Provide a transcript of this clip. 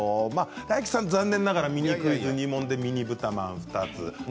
大吉さん、残念ながらミニクイズ２問でミニぶたまん２つ。